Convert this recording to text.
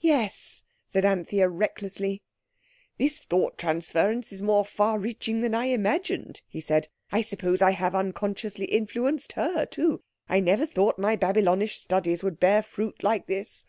"Yes," said Anthea recklessly. "This thought transference is more far reaching than I imagined," he said. "I suppose I have unconsciously influenced her, too. I never thought my Babylonish studies would bear fruit like this.